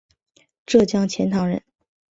浙江钱塘人。